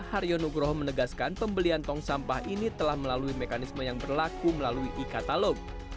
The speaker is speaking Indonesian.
haryo nugroho menegaskan pembelian tong sampah ini telah melalui mekanisme yang berlaku melalui e katalog